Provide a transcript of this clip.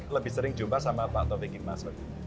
lebih sering jumpa sama pak taufik irmazon